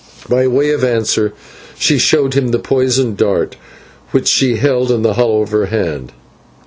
By way of answer she showed him the poisoned dart which she held in the hollow of her hand.